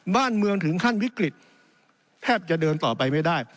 บ้านเมืองถึงขั้นวิกฤตแทบจะเดินต่อไปไม่ได้